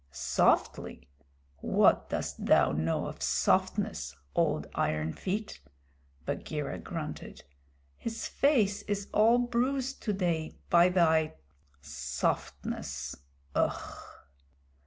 "Softly! What dost thou know of softness, old Iron feet?" Bagheera grunted. "His face is all bruised today by thy softness. Ugh."